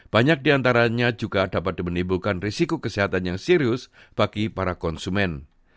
banyak diantaranya juga dapat menimbulkan risiko kesehatan yang serius bagi para konsumen